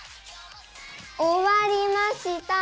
おわりました！